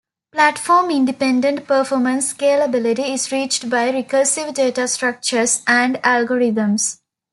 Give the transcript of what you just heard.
Platform-independent performance scalability is reached by recursive data structures and algorithms.